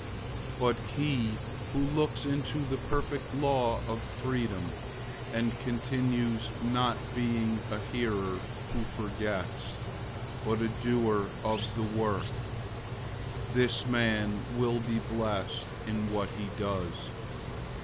001:025 But he who looks into the perfect law of freedom, and continues, not being a hearer who forgets, but a doer of the work, this man will be blessed in what he does.